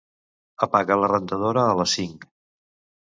Apaga la rentadora a les cinc.